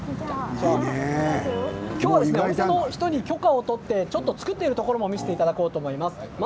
お店の人に許可を取って作っているところも見せていただこうと思います。